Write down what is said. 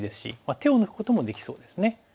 手を抜くこともできそうですね。